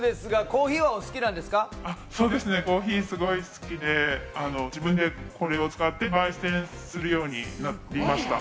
コーヒーすごい好きで、自分もこれを使って焙煎するようになりました。